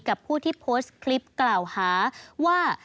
กับผู้ที่โพสต์คลิปกล่าวหาว่า